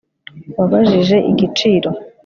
wabajije igiciro